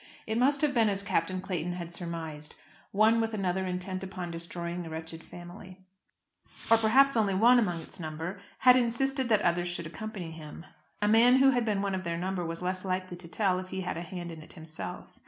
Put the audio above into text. It must have been as Captain Clayton had surmised; one with another intent upon destroying that wretched family, or perhaps only one among its number, had insisted that others should accompany him. A man who had been one of their number was less likely to tell if he had a hand in it himself.